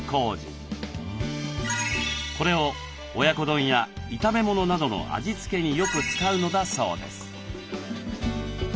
これを親子丼や炒め物などの味付けによく使うのだそうです。